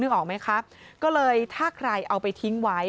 ออกไหมครับก็เลยถ้าใครเอาไปทิ้งไว้